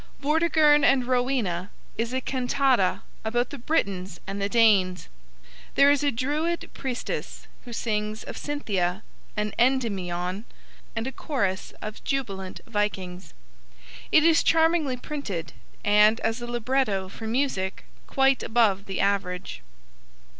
Vortigern and Rowena is a cantata about the Britons and the Danes. There is a Druid priestess who sings of Cynthia and Endymion, and a chorus of jubilant Vikings. It is charmingly printed, and as a libretto for music quite above the average.